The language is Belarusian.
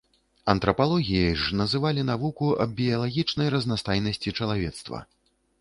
Антрапалогіяй ж называлі навуку аб біялагічнай разнастайнасці чалавецтва.